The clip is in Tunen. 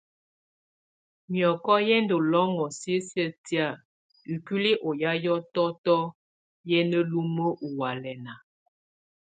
Mìɔ́kɔ yɛ́ ndù lɔ́ŋɔ̀ sisiǝ̀ tɛ̀á ikuili ɔ ya hiɔ̀tɔ̀tɔ yɛ na lumǝ ɔ ɔhɔ̀álɛna.